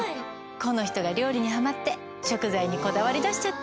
この人が料理にハマって食材にこだわり出しちゃって。